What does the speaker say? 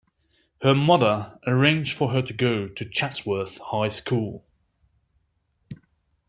Her mother arranged for her to go to Chatsworth High School.